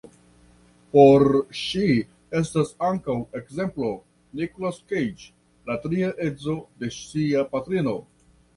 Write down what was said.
Por ŝi estas ankaŭ ekzemplo Nicolas Cage, la tria edzo de sia patrino.